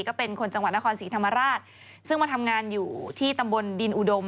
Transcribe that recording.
ก็เป็นคนจังหวัดนครศรีธรรมราชซึ่งมาทำงานอยู่ที่ตำบลดินอุดม